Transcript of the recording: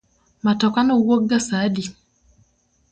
Matoka no wuok ga sa adi?